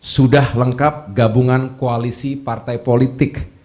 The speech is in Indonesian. sudah lengkap gabungan koalisi partai politik